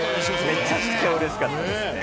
めちゃくちゃうれしかったですね。